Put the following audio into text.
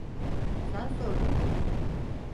Sen sordun.